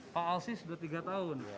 pak alsi sudah tiga tahun